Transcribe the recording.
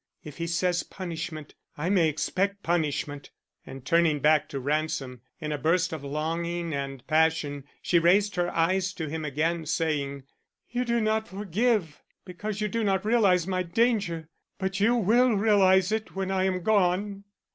"If he says punishment, I may expect punishment." And turning back to Ransom, in a burst of longing and passion, she raised her eyes to him again, saying, "You do not forgive because you do not realize my danger. But you will realize it when I am gone."